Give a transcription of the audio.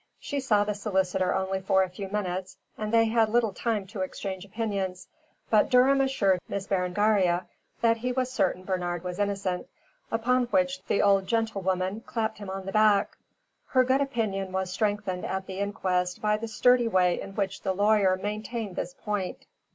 She saw the solicitor only for a few minutes and they had little time to exchange opinions. But Durham assured Miss Berengaria that he was certain Bernard was innocent, upon which the old gentlewoman clapped him on the back. Her good opinion was strengthened at the inquest by the sturdy way in which the lawyer maintained this point.